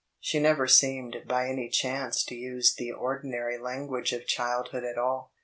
She never seemed by any chance to use the ordinary language of childhood at all.